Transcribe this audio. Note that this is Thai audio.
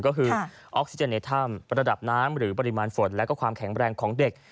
ก็คือออกซิเจนในถ้ำระดับน้ำหรือปริมาณฝนและความแข็งแรงของเด็ก